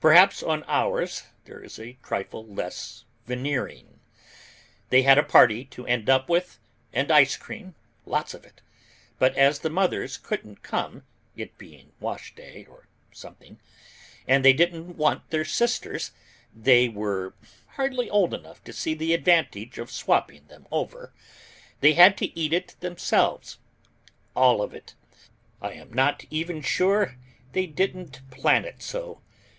Perhaps on ours there is a trifle less veneering. They had a party to end up with, and ice cream, lots of it. But as the mothers couldn't come, it being washday or something, and they didn't want their sisters they were hardly old enough to see the advantage of swapping them over they had to eat it themselves, all of it. I am not even sure they didn't plan it so.